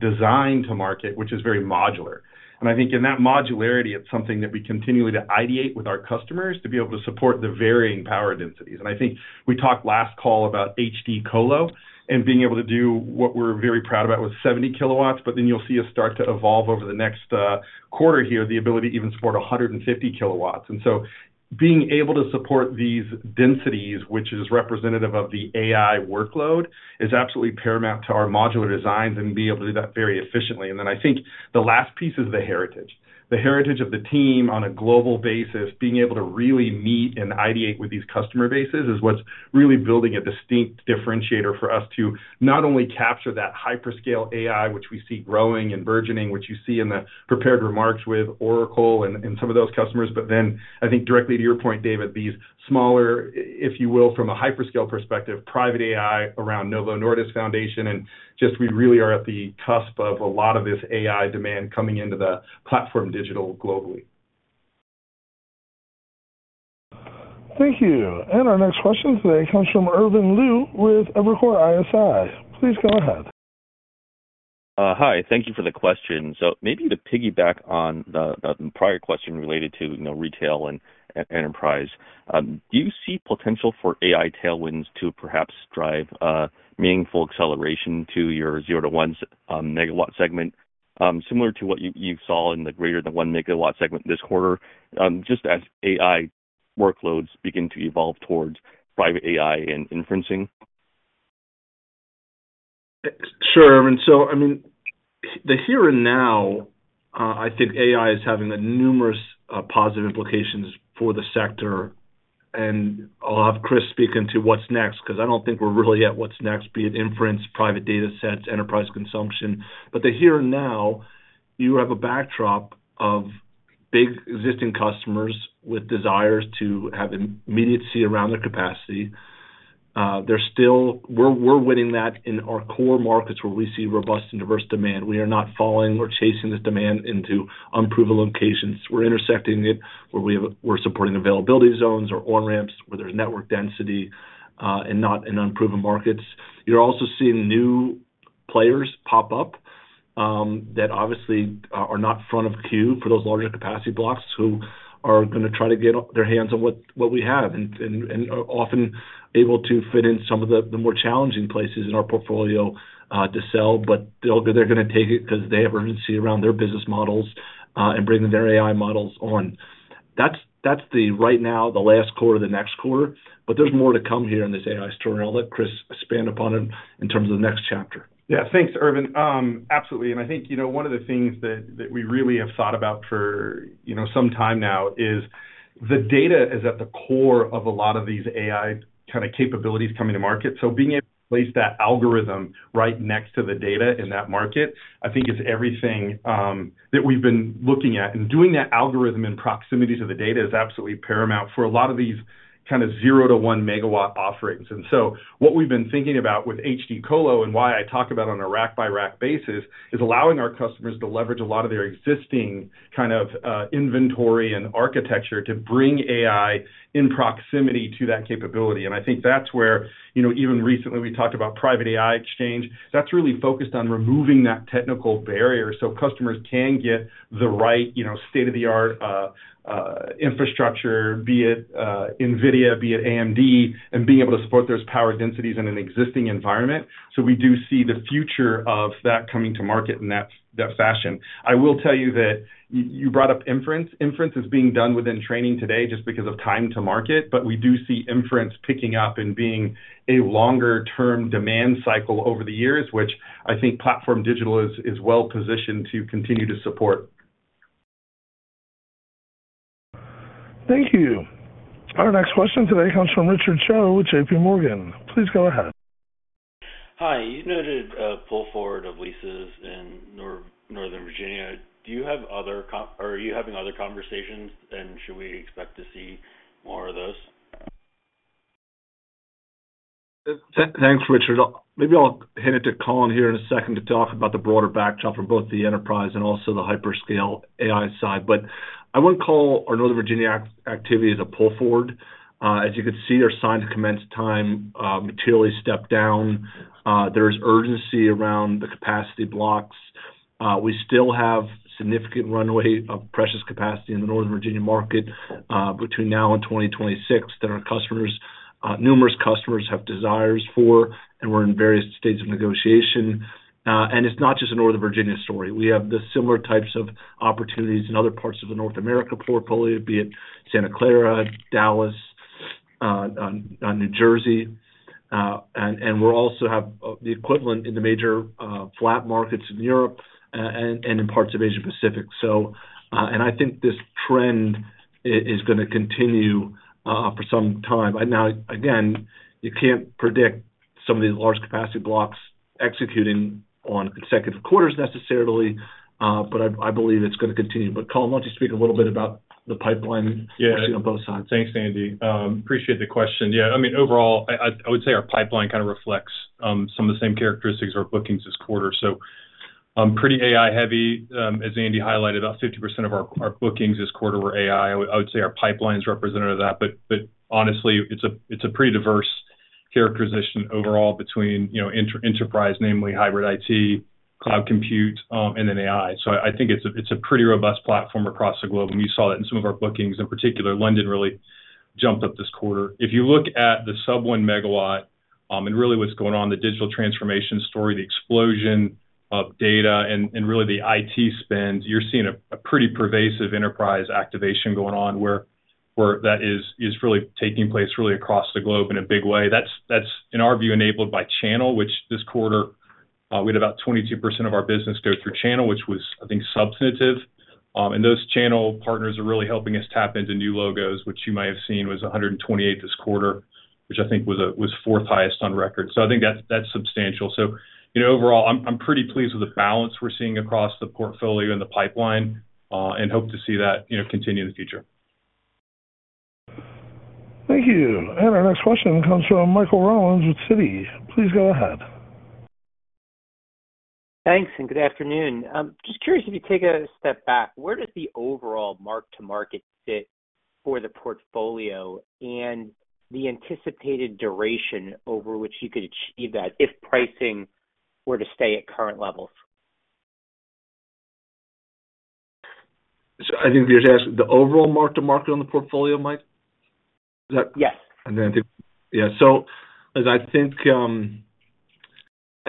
design to market, which is very modular. I think in that modularity, it's something that we continually ideate with our customers to be able to support the varying power densities. I think we talked last call about HD colo and being able to do what we're very proud about with 70 kW. But then you'll see us start to evolve over the next quarter here, the ability to even support 150 kW. So being able to support these densities, which is representative of the AI workload, is absolutely paramount to our modular designs and being able to do that very efficiently. Then I think the last piece is the heritage. The heritage of the team on a global basis, being able to really meet and ideate with these customer bases, is what's really building a distinct differentiator for us to not only capture that hyperscale AI, which we see growing and burgeoning, which you see in the prepared remarks with Oracle and some of those customers, but then I think directly to your point, David, these smaller, if you will, from a hyperscale perspective, private AI around Novo Nordisk Foundation. And just we really are at the cusp of a lot of this AI demand coming into the PlatformDIGITAL globally.
Thank you. Our next question today comes from Irv Liu with Evercore ISI. Please go ahead.
Hi. Thank you for the question. So maybe to piggyback on the prior question related to retail and enterprise, do you see potential for AI tailwinds to perhaps drive meaningful acceleration to your 0-1 megawatt segment similar to what you saw in the greater-than-1 megawatt segment this quarter just as AI workloads begin to evolve towards private AI and inferencing?
Sure, Irvin. So I mean, the here and now, I think AI is having numerous positive implications for the sector. And I'll have Chris speak into what's next because I don't think we're really at what's next, be it inference, private datasets, enterprise consumption. But the here and now, you have a backdrop of big existing customers with desires to have immediacy around their capacity. We're winning that in our core markets where we see robust and diverse demand. We are not falling or chasing this demand into unproven locations. We're intersecting it where we're supporting availability zones or on-ramps where there's network density and not in unproven markets. You're also seeing new players pop up that obviously are not front of queue for those larger capacity blocks who are going to try to get their hands on what we have and often able to fit in some of the more challenging places in our portfolio to sell. But they're going to take it because they have urgency around their business models and bringing their AI models on. That's the right now, the last quarter, the next quarter. But there's more to come here in this AI story. I'll let Chris expand upon it in terms of the next chapter.
Yeah. Thanks, Irvin. Absolutely. And I think one of the things that we really have thought about for some time now is the data is at the core of a lot of these AI kind of capabilities coming to market. So being able to place that algorithm right next to the data in that market, I think, is everything that we've been looking at. And doing that algorithm in proximity to the data is absolutely paramount for a lot of these kind of 0-1-megawatt offerings. And so what we've been thinking about with HD Colo and why I talk about it on a rack-by-rack basis is allowing our customers to leverage a lot of their existing kind of inventory and architecture to bring AI in proximity to that capability. And I think that's where even recently, we talked about Private AI Exchange.
That's really focused on removing that technical barrier so customers can get the right state-of-the-art infrastructure, be it NVIDIA, be it AMD, and being able to support those power densities in an existing environment. So we do see the future of that coming to market in that fashion. I will tell you that you brought up inference. Inference is being done within training today just because of time to market. But we do see inference picking up and being a longer-term demand cycle over the years, which I think platform digital is well-positioned to continue to support.
Thank you. Our next question today comes from Richard Choe with J.P. Morgan. Please go ahead.
Hi. You noted a pull forward of leases in Northern Virginia. Do you have other or are you having other conversations? And should we expect to see more of those?
Thanks, Richard. Maybe I'll hit it to Colin here in a second to talk about the broader backdrop from both the enterprise and also the hyperscale AI side. But I wouldn't call our Northern Virginia activity as a pull forward. As you can see, our sign to commence time materially stepped down. There's urgency around the capacity blocks. We still have significant runway of precious capacity in the Northern Virginia market between now and 2026 that our numerous customers have desires for. And we're in various states of negotiation. And it's not just a Northern Virginia story. We have the similar types of opportunities in other parts of the North America portfolio, be it Santa Clara, Dallas, New Jersey. And we also have the equivalent in the major flat markets in Europe and in parts of Asia-Pacific. And I think this trend is going to continue for some time. Now, again, you can't predict some of these large capacity blocks executing on consecutive quarters necessarily. But I believe it's going to continue. But Colin, why don't you speak a little bit about the pipeline we're seeing on both sides?
Yeah. Thanks, Andy. Appreciate the question. Yeah. I mean, overall, I would say our pipeline kind of reflects some of the same characteristics of our bookings this quarter. So pretty AI-heavy. As Andy highlighted, about 50% of our bookings this quarter were AI. I would say our pipeline is representative of that. But honestly, it's a pretty diverse characterization overall between enterprise, namely hybrid IT, cloud compute, and then AI. So I think it's a pretty robust platform across the globe. And you saw that in some of our bookings. In particular, London really jumped up this quarter. If you look at the sub-1 megawatt and really what's going on, the digital transformation story, the explosion of data, and really the IT spend, you're seeing a pretty pervasive enterprise activation going on where that is really taking place really across the globe in a big way. That's, in our view, enabled by channel, which this quarter, we had about 22% of our business go through channel, which was, I think, substantive. And those channel partners are really helping us tap into new logos, which you might have seen was 128 this quarter, which I think was fourth highest on record. So I think that's substantial. So overall, I'm pretty pleased with the balance we're seeing across the portfolio and the pipeline and hope to see that continue in the future.
Thank you. Our next question comes from Mike Rollins with Citi. Please go ahead.
Thanks. Good afternoon. Just curious if you take a step back, where does the overall Mark-to-Market sit for the portfolio and the anticipated duration over which you could achieve that if pricing were to stay at current levels?
I think you're asking the overall Mark-to-Market on the portfolio, Mike? Is that?
Yes.
Then I think yeah. So as I think you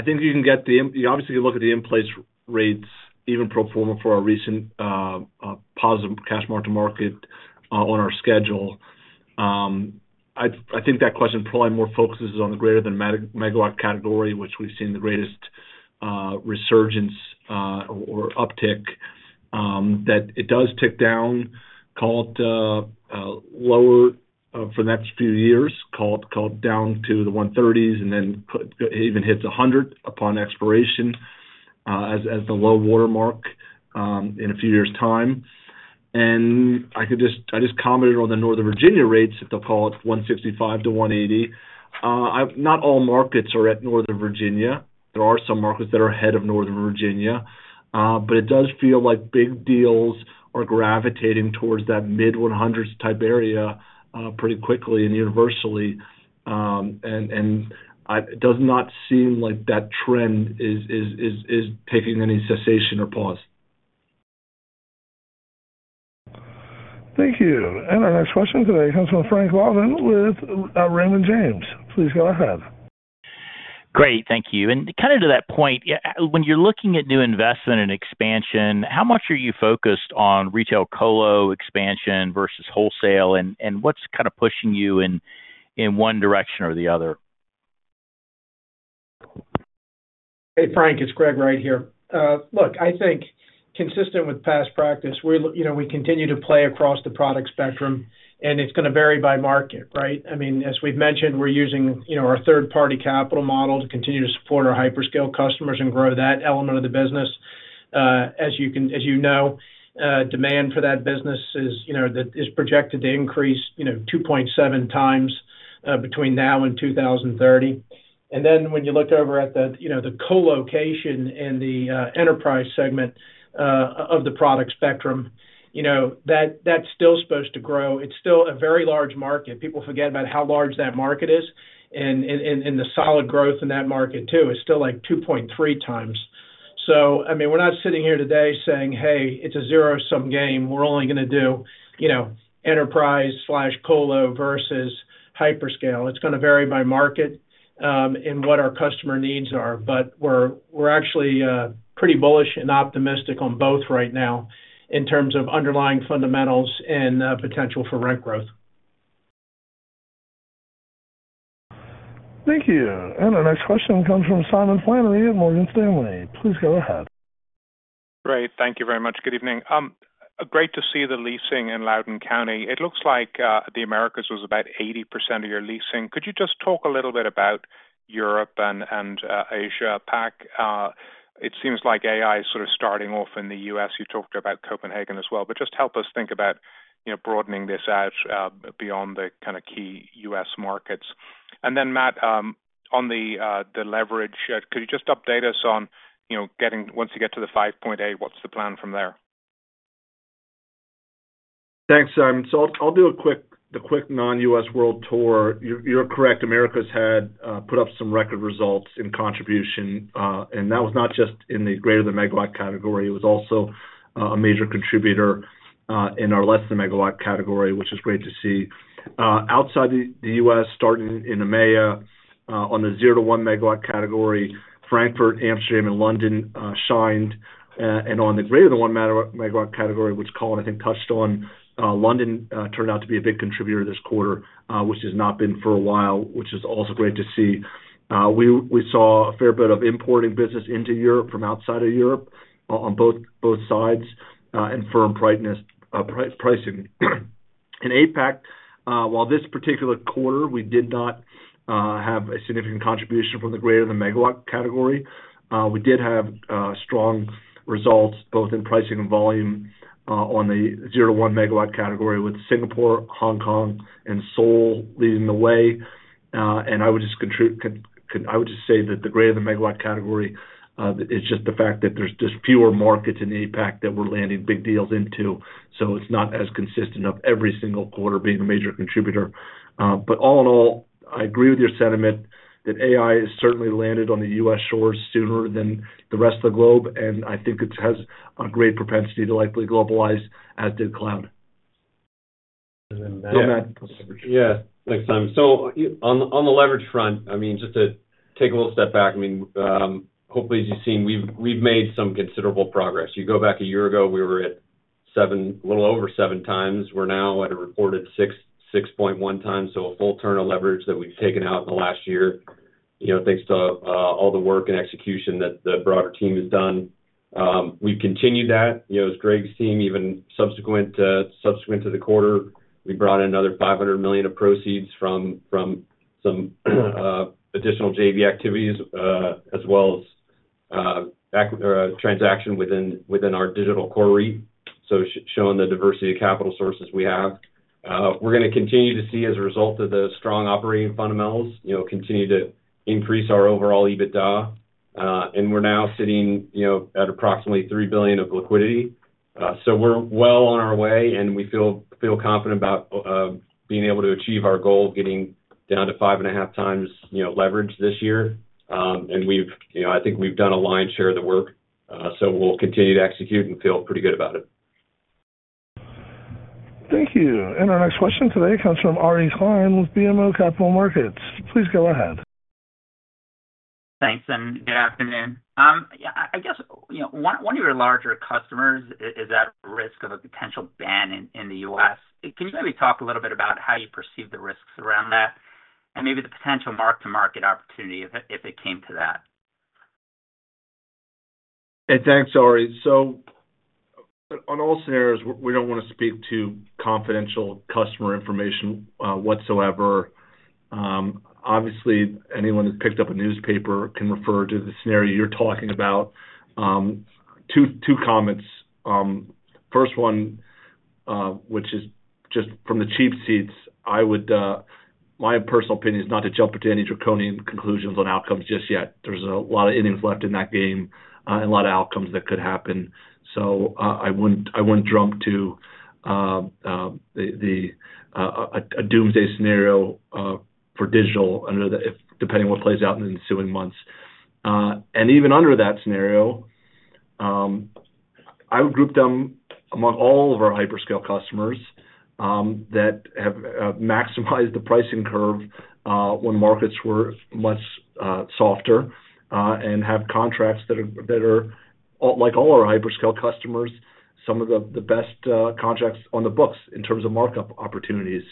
can get the obviously, you look at the in-place rates, even pro forma for our recent positive cash mark-to-market on our schedule. I think that question probably more focuses on the greater-than-megawatt category, which we've seen the greatest resurgence or uptick. That it does tick down, call it lower for the next few years, call it down to the $130s, and then even hits $100 upon expiration as the low watermark in a few years' time. And I just commented on the Northern Virginia rates, if they'll call it $165-$180. Not all markets are at Northern Virginia. There are some markets that are ahead of Northern Virginia. But it does feel like big deals are gravitating towards that mid-$100s type area pretty quickly and universally. It does not seem like that trend is taking any cessation or pause.
Thank you. Our next question today comes from Frank Louthan with Raymond James. Please go ahead.
Great. Thank you. Kind of to that point, when you're looking at new investment and expansion, how much are you focused on retail colo expansion versus wholesale? What's kind of pushing you in one direction or the other?
Hey, Frank. It's Greg Wright here. Look, I think consistent with past practice, we continue to play across the product spectrum. It's going to vary by market, right? I mean, as we've mentioned, we're using our third-party capital model to continue to support our hyperscale customers and grow that element of the business. As you know, demand for that business is projected to increase 2.7 times between now and 2030. Then when you look over at the colocation and the enterprise segment of the product spectrum, that's still supposed to grow. It's still a very large market. People forget about how large that market is. The solid growth in that market, too, is still like 2.3 times. So I mean, we're not sitting here today saying, "Hey, it's a zero-sum game. We're only going to do enterprise/colo versus hyperscale. It's going to vary by market and what our customer needs are. But we're actually pretty bullish and optimistic on both right now in terms of underlying fundamentals and potential for rent growth.
Thank you. And our next question comes from Simon Flannery at Morgan Stanley. Please go ahead.
Great. Thank you very much. Good evening. Great to see the leasing in Loudoun County. It looks like the Americas was about 80% of your leasing. Could you just talk a little bit about Europe and Asia? APAC, it seems like AI is sort of starting off in the U.S. You talked about Copenhagen as well. But just help us think about broadening this out beyond the kind of key U.S. markets. And then, Matt, on the leverage, could you just update us on once you get to the 5.8, what's the plan from there?
Thanks, Simon. So I'll do the quick non-US world tour. You're correct. Americas had put up some record results in contribution. And that was not just in the greater-than-megawatt category. It was also a major contributor in our less-than-megawatt category, which is great to see. Outside the US, starting in EMEA, on the 0-1-megawatt category, Frankfurt, Amsterdam, and London shined. And on the greater-than-1-megawatt category, which Colin, I think, touched on, London turned out to be a big contributor this quarter, which has not been for a while, which is also great to see. We saw a fair bit of importing business into Europe from outside of Europe on both sides and firm pricing. In APAC, while this particular quarter, we did not have a significant contribution from the greater-than-megawatt category, we did have strong results both in pricing and volume on the 0-1-megawatt category with Singapore, Hong Kong, and Seoul leading the way. And I would just say that the greater-than-megawatt category is just the fact that there's just fewer markets in APAC that we're landing big deals into. So it's not as consistent of every single quarter being a major contributor. But all in all, I agree with your sentiment that AI has certainly landed on the U.S. shores sooner than the rest of the globe. And I think it has a great propensity to likely globalize as did cloud.
And then, Matt.
No, Matt.
Yeah. Thanks, Simon. So on the leverage front, I mean, just to take a little step back, I mean, hopefully, as you've seen, we've made some considerable progress. You go back a year ago, we were at a little over 7 times. We're now at a reported 6.1 times. So a full turn of leverage that we've taken out in the last year, thanks to all the work and execution that the broader team has done. We've continued that. As Greg's team, even subsequent to the quarter, we brought in another $500 million of proceeds from some additional JV activities as well as transaction within our Digital Core REIT, so showing the diversity of capital sources we have. We're going to continue to see, as a result of the strong operating fundamentals, continue to increase our overall EBITDA. And we're now sitting at approximately $3 billion of liquidity. So we're well on our way. And we feel confident about being able to achieve our goal of getting down to 5.5x leverage this year. And I think we've done a lion's share of the work. So we'll continue to execute and feel pretty good about it.
Thank you. Our next question today comes from Ari Klein with BMO Capital Markets. Please go ahead.
Thanks. Good afternoon. I guess one of your larger customers is at risk of a potential ban in the U.S. Can you maybe talk a little bit about how you perceive the risks around that and maybe the potential mark-to-market opportunity if it came to that?
Hey, thanks, Ari. So, on all scenarios, we don't want to speak to confidential customer information whatsoever. Obviously, anyone who's picked up a newspaper can refer to the scenario you're talking about. Two comments. First one, which is just from the cheap seats, my personal opinion is not to jump into any draconian conclusions on outcomes just yet. There's a lot of innings left in that game and a lot of outcomes that could happen. So, I wouldn't jump to a doomsday scenario for digital depending on what plays out in the ensuing months. Even under that scenario, I would group them among all of our hyperscale customers that have maximized the pricing curve when markets were much softer and have contracts that are, like all our hyperscale customers, some of the best contracts on the books in terms of markup opportunities,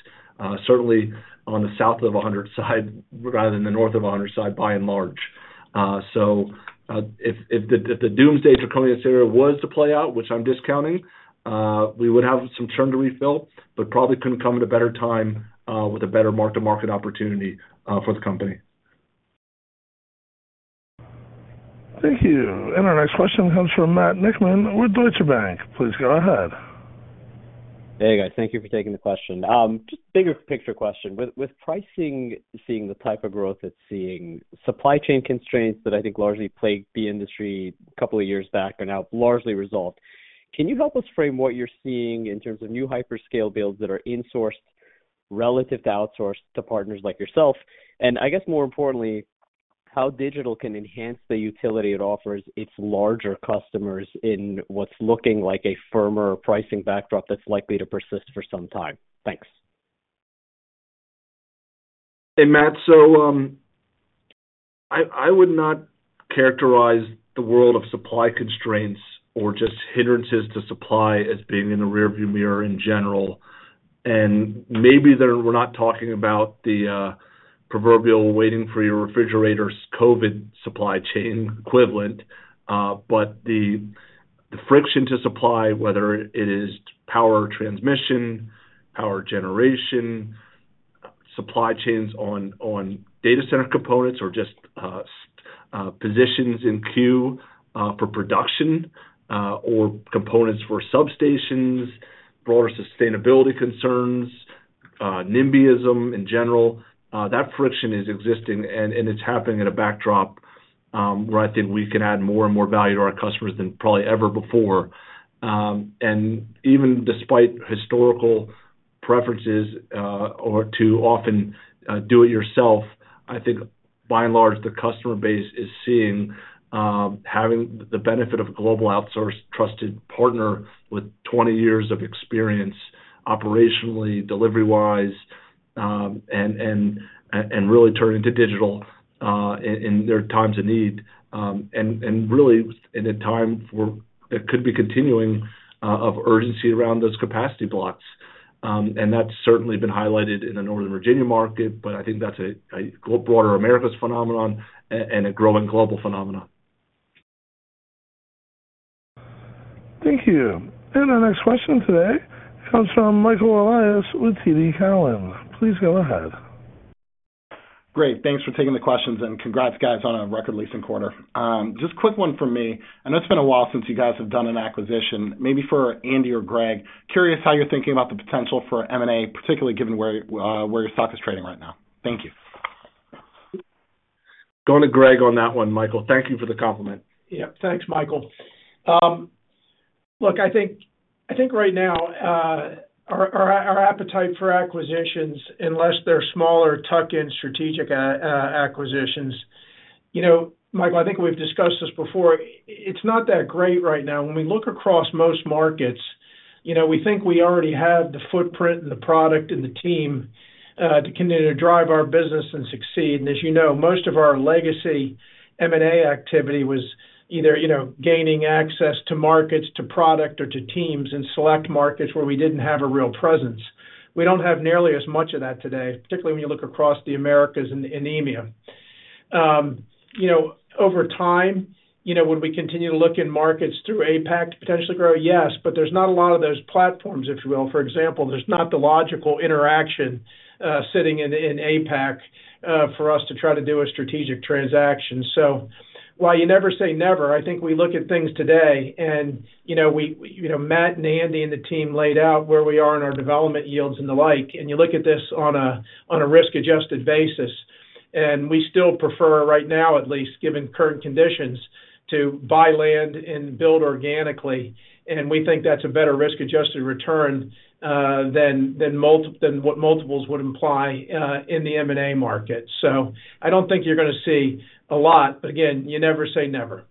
certainly on the south of 100 side rather than the north of 100 side, by and large. If the doomsday draconian scenario was to play out, which I'm discounting, we would have some turn to refill but probably couldn't come at a better time with a better Mark-to-Market opportunity for the company.
Thank you. Our next question comes from Matt Niknam with Deutsche Bank. Please go ahead.
Hey, guys. Thank you for taking the question. Just bigger picture question. With pricing seeing the type of growth it's seeing, supply chain constraints that I think largely plagued the industry a couple of years back are now largely resolved. Can you help us frame what you're seeing in terms of new hyperscale builds that are insourced relative to outsourced to partners like yourself? And I guess, more importantly, how digital can enhance the utility it offers its larger customers in what's looking like a firmer pricing backdrop that's likely to persist for some time? Thanks. Hey, Matt. So I would not characterize the world of supply constraints or just hindrances to supply as being in the rearview mirror in general. Maybe we're not talking about the proverbial waiting-for-your-refrigerator COVID supply chain equivalent, but the friction to supply, whether it is power transmission, power generation, supply chains on data center components or just positions in queue for production, or components for substations, broader sustainability concerns, NIMBYism in general, that friction is existing. It's happening in a backdrop where I think we can add more and more value to our customers than probably ever before.
And even despite historical preferences to often do it yourself, I think, by and large, the customer base is seeing having the benefit of a global outsourced trusted partner with 20 years of experience operationally, delivery-wise, and really turning to digital in their times of need and really in a time that could be continuing of urgency around those capacity blocks. And that's certainly been highlighted in the Northern Virginia market. But I think that's a broader Americas phenomenon and a growing global phenomenon.
Thank you. And our next question today comes from Michael Elias with TD Cowen. Please go ahead.
Great. Thanks for taking the questions. Congrats, guys, on a record leasing quarter. Just quick one from me. I know it's been a while since you guys have done an acquisition. Maybe for Andy or Greg, curious how you're thinking about the potential for M&A, particularly given where your stock is trading right now. Thank you.
Going to Greg on that one, Michael. Thank you for the compliment.
Yeah. Thanks, Michael. Look, I think right now, our appetite for acquisitions, unless they're smaller tuck-in strategic acquisitions Michael, I think we've discussed this before, it's not that great right now. When we look across most markets, we think we already have the footprint and the product and the team to continue to drive our business and succeed. And as you know, most of our legacy M&A activity was either gaining access to markets, to product, or to teams in select markets where we didn't have a real presence. We don't have nearly as much of that today, particularly when you look across the Americas and EMEA. Over time, would we continue to look in markets through APAC to potentially grow? Yes. But there's not a lot of those platforms, if you will. For example, there's not the logical interaction sitting in APAC for us to try to do a strategic transaction. While you never say never, I think we look at things today. Matt and Andy and the team laid out where we are in our development yields and the like. You look at this on a risk-adjusted basis. We still prefer, right now at least, given current conditions, to buy land and build organically. We think that's a better risk-adjusted return than what multiples would imply in the M&A market. I don't think you're going to see a lot. But again, you never say never.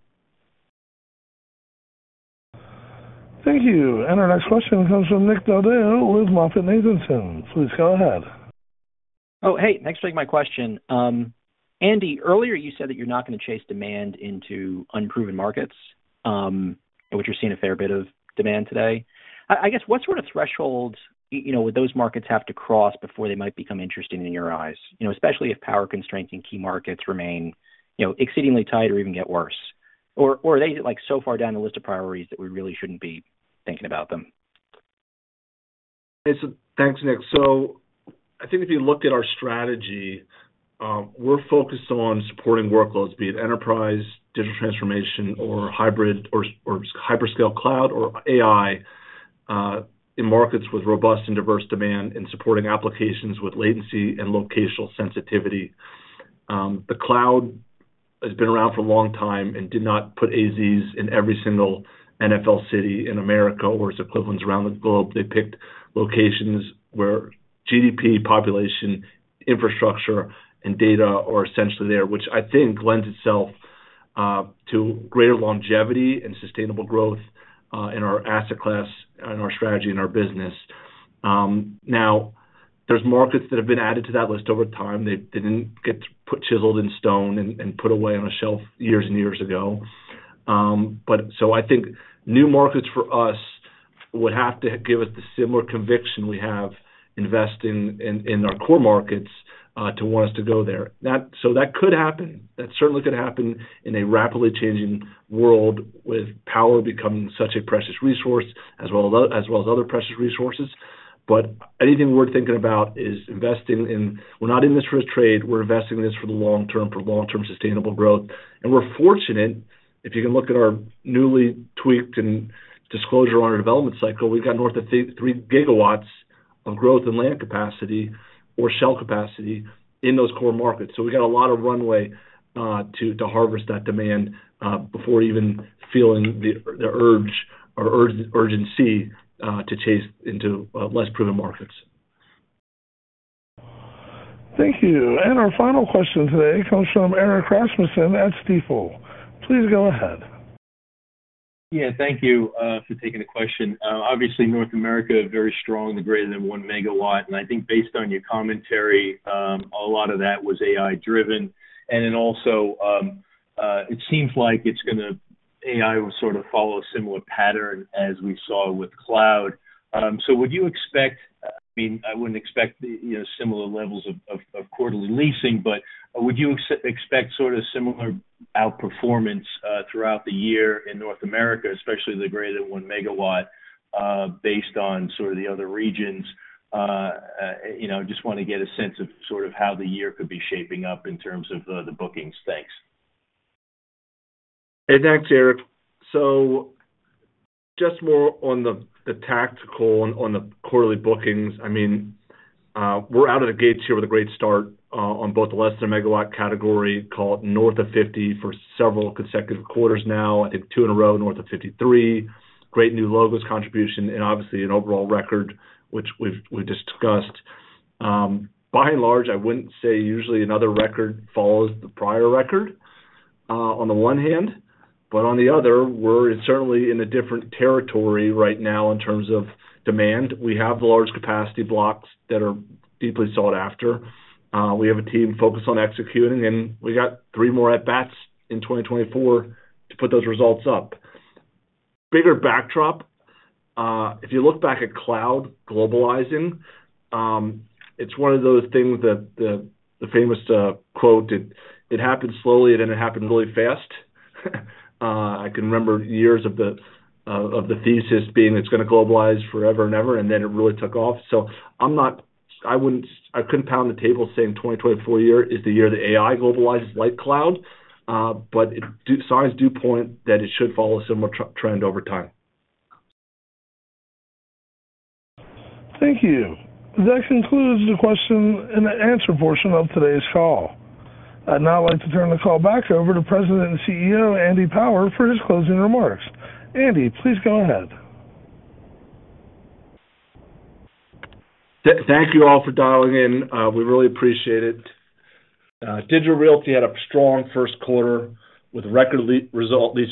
Thank you. Our next question comes from Nick Del Deo with MoffettNathanson. Please go ahead.
Oh, hey. Thanks for taking my question. Andy, earlier, you said that you're not going to chase demand into unproven markets, which you're seeing a fair bit of demand today. I guess, what sort of threshold would those markets have to cross before they might become interesting in your eyes, especially if power constraints in key markets remain exceedingly tight or even get worse? Or are they so far down the list of priorities that we really shouldn't be thinking about them?
Thanks, Nick. So I think if you looked at our strategy, we're focused on supporting workloads, be it enterprise, digital transformation, or hybrid, or hyperscale cloud, or AI in markets with robust and diverse demand and supporting applications with latency and locational sensitivity. The cloud has been around for a long time and did not put AZs in every single NFL city in America or its equivalents around the globe. They picked locations where GDP, population, infrastructure, and data are essentially there, which I think lends itself to greater longevity and sustainable growth in our asset class, in our strategy, in our business. Now, there's markets that have been added to that list over time. They didn't get put chiseled in stone and put away on a shelf years and years ago. So I think new markets for us would have to give us the similar conviction we have investing in our core markets to want us to go there. So that could happen. That certainly could happen in a rapidly changing world with power becoming such a precious resource as well as other precious resources. But anything we're thinking about is investing in we're not in this for a trade. We're investing in this for the long term, for long-term sustainable growth. And we're fortunate, if you can look at our newly tweaked disclosure on our development cycle, we've got north of 3 GW of growth in land capacity or shell capacity in those core markets. So we got a lot of runway to harvest that demand before even feeling the urge or urgency to chase into less proven markets.
Thank you. And our final question today comes from Erik Rasmussen at Stifel. Please go ahead.
Yeah. Thank you for taking the question. Obviously, North America, very strong, the greater than one megawatt. And I think based on your commentary, a lot of that was AI-driven. And then also, it seems like AI will sort of follow a similar pattern as we saw with cloud. So would you expect? I mean, I wouldn't expect similar levels of quarterly leasing. But would you expect sort of similar outperformance throughout the year in North America, especially the greater than one megawatt, based on sort of the other regions? I just want to get a sense of sort of how the year could be shaping up in terms of the bookings. Thanks.
Hey, thanks, Eric. So just more on the tactical, on the quarterly bookings. I mean, we're out of the gates here with a great start on both the less than a megawatt category called north of 50 for several consecutive quarters now, I think two in a row north of 53, great new logos contribution, and obviously, an overall record, which we've discussed. By and large, I wouldn't say usually another record follows the prior record on the one hand. But on the other, we're certainly in a different territory right now in terms of demand. We have the large capacity blocks that are deeply sought after. We have a team focused on executing. And we got three more at-bats in 2024 to put those results up. Bigger backdrop, if you look back at cloud globalizing, it's one of those things that the famous quote, "It happened slowly. It ended up happening really fast." I can remember years of the thesis being, "It's going to globalize forever and ever." And then it really took off. So I couldn't pound the table saying 2024 year is the year that AI globalizes like cloud. But signs do point that it should follow a similar trend over time.
Thank you. That concludes the question and the answer portion of today's call. I'd now like to turn the call back over to President and CEO Andy Power for his closing remarks. Andy, please go ahead.
Thank you all for dialing in. We really appreciate it. Digital Realty had a strong first quarter with record leasing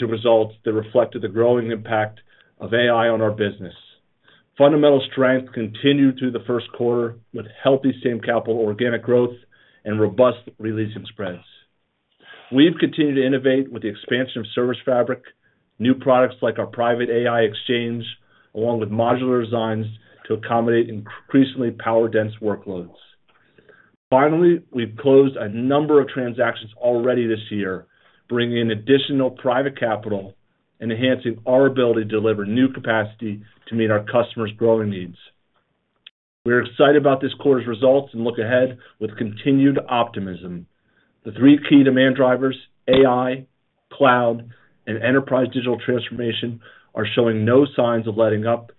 results that reflected the growing impact of AI on our business. Fundamental strength continued through the first quarter with healthy same-capital organic growth and robust releasing spreads. We've continued to innovate with the expansion of Service Fabric, new products like our Private AI Exchange, along with modular designs to accommodate increasingly power-dense workloads. Finally, we've closed a number of transactions already this year, bringing in additional private capital and enhancing our ability to deliver new capacity to meet our customers' growing needs. We're excited about this quarter's results and look ahead with continued optimism. The three key demand drivers, AI, cloud, and enterprise digital transformation, are showing no signs of letting up.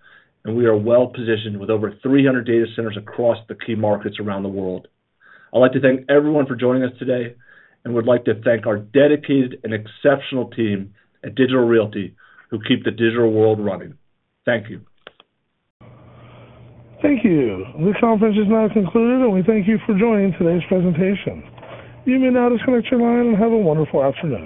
We are well-positioned with over 300 data centers across the key markets around the world. I'd like to thank everyone for joining us today and would like to thank our dedicated and exceptional team at Digital Realty who keep the digital world running. Thank you.
Thank you. The conference is now concluded. We thank you for joining today's presentation. You may now disconnect your line and have a wonderful afternoon.